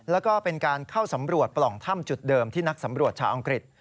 แล้วก็เป็นการเข้าสำรวจปล่องถ้ำจุดเดิมที่นักสำรวจชาวอังกฤษ